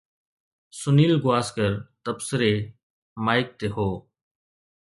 سنيل گواسڪر تبصري مائڪ تي هو.